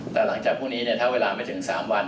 แต่หลังจากพรุ่งนี้ถ้าเวลาไม่ถึง๓วัน